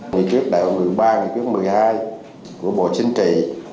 nghị quyết đạo một mươi ba nghị quyết một mươi hai của bộ chính trị